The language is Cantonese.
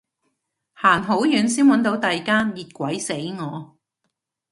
行好遠先搵到第間，熱鬼死我